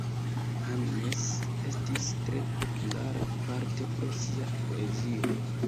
Hannes estis tre populara, parte pro sia poezio.